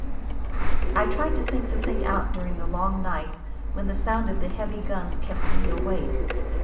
I tried to think the thing out during the long nights when the sound of the heavy guns kept me awake.